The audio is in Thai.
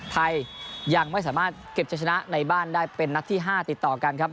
ไทยยังไม่สามารถเก็บจะชนะในบ้านได้เป็นนัดที่๕ติดต่อกันครับ